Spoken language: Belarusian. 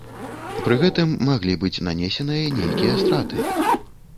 Пры гэтым маглі быць нанесеныя нейкія страты.